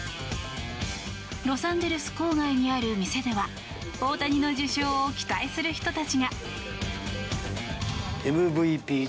ロサンゼルス郊外にある店では大谷の受賞を期待する人たちが。